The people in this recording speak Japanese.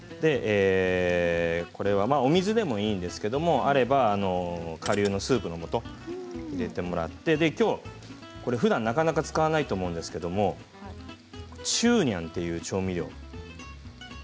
これはお水でもいいんですけれどあれば、かりゅうのスープのもとを入れてもらってふだん、なかなか使わないと思うんですけれども酒醸という調味料。